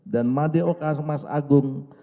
dan madeoka mas agung